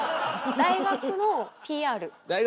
大学のＰＲ？